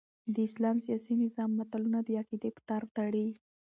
د اسلام سیاسي نظام ملتونه د عقیدې په تار تړي.